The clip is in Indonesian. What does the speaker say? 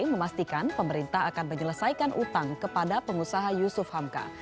memastikan pemerintah akan menyelesaikan utang kepada pengusaha yusuf hamka